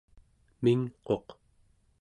mingquq